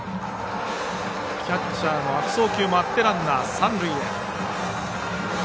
キャッチャーの悪送球もあってランナー、三塁へ。